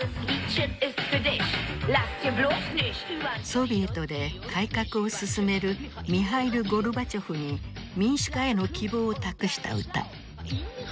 ソビエトで改革を進めるミハイル・ゴルバチョフに民主化への希望を託した歌。